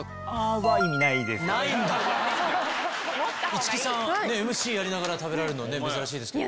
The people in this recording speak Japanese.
市來さんＭＣやりながら食べられるの珍しいですけど。